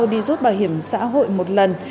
đi rút bảo hiểm xã hội một lần